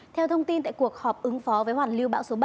theo thông tin tại cuộc họp ứng phó với hoàn lưu bão số ba